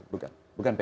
bukan bukan pns dia